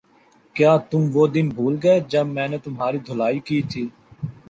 کیا تم وہ دن بھول گئے جب میں نے تمہاری دھلائی کی تھی